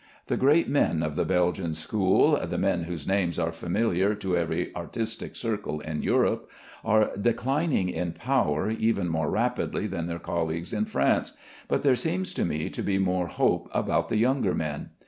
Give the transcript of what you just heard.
The great men of the Belgian school the men whose names are familiar to every artistic circle in Europe are declining in power even more rapidly than their colleagues in France, but there seems to me to be more hope about the younger men.